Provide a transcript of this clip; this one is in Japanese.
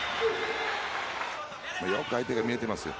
よく相手が見えてますよ。